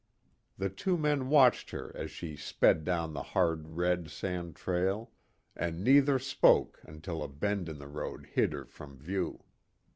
The two men watched her as she sped down the hard red sand trail, and neither spoke until a bend in the road hid her from view.